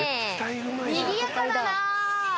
にぎやかだな。